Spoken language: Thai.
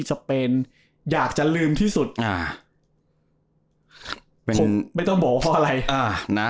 สเปนอยากจะลืมที่สุดอ่าเป็นคงไม่ต้องบอกว่าเพราะอะไรอ่านะ